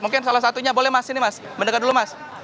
mungkin salah satunya boleh mas ini mas mendengar dulu mas